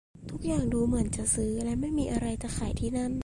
ทุกอย่างดูเหมือนจะซื้อและไม่มีอะไรจะขายที่นั่น